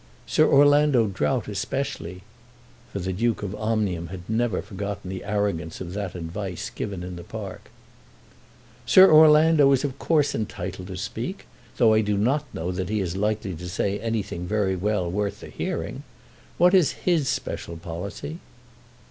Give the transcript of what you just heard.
"Sir Orlando Drought especially." For the Duke of Omnium had never forgotten the arrogance of that advice given in the park. "Sir Orlando is of course entitled to speak, though I do not know that he is likely to say anything very well worth the hearing. What is his special policy?"